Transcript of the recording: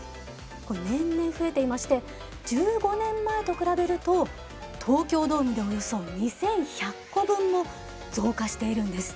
これ年々増えていまして１５年前と比べると東京ドームでおよそ２，１００個分も増加しているんです。